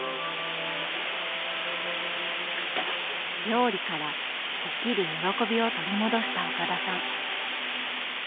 料理から生きる喜びを取り戻した岡田さん。